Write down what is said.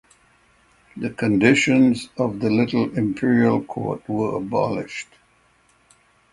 The conditions of the "little imperial court" were abolished.